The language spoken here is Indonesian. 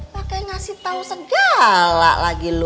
pakai ngasih tau segala lagi lo